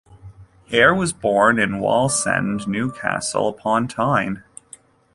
Air was born in Wallsend, Newcastle upon Tyne.